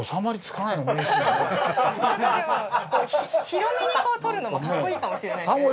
広めにこう取るのもかっこいいかもしれないですよね。